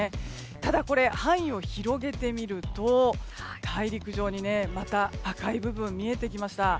ただ、範囲を広げてみると大陸上にまた赤い部分が見えてきました。